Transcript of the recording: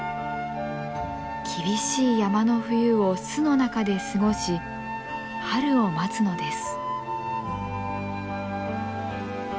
厳しい山の冬を巣の中で過ごし春を待つのです。